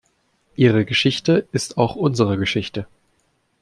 Ihre Geschichte ist auch unsere Geschichte.